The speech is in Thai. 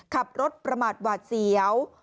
ขับรถประมาทหวาดเสียว